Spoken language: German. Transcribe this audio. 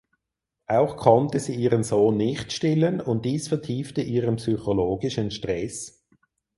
Auch konnte sie ihren Sohn nicht stillen und dies vertiefte ihren psychologischen Stress.